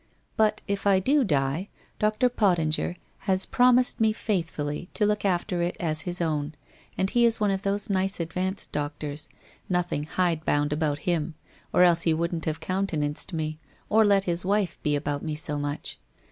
But if I do die, Dr. Pottinger has promised me faithfully to look after it as his own, and he is one of those nice advanced doctors, nothing hide bound about him, or else he wouldn't have countenanced me, or let his wife be about me so much.